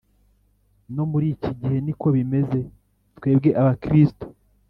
no muri iki gihe ni uko bimeze twebwe abakristo